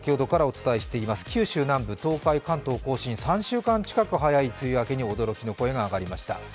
１位は、九州南部、東海、関東甲信、３週間近い梅雨明けに驚きの声が上がりました。